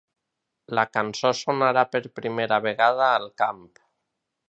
La cançó sonarà per primera vegada al camp.